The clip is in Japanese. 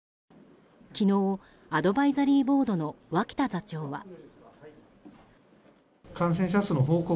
昨日、アドバイザリーボードの脇田座長は。